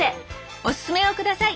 おすすめを下さい